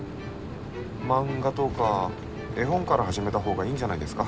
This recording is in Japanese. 漫画とか絵本から始めた方がいいんじゃないですか？